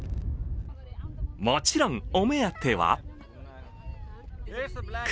もちろん、お目当ては？